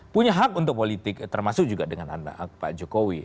punya hak untuk politik termasuk juga dengan pak jokowi